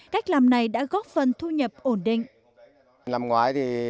cách làm này đã góp phần thu nhập ổn định